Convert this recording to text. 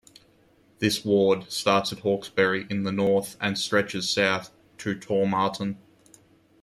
This ward starts at "Hawkesbury" in the north and stretches south to Tormarton.